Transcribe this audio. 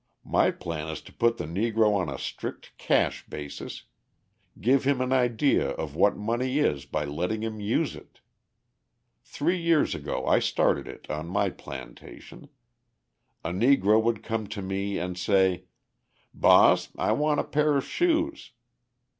My plan is to put the Negro on a strict cash basis; give him an idea of what money is by letting him use it. Three years ago I started it on my plantation. A Negro would come to me and say: 'Boss, I want a pair of shoes.'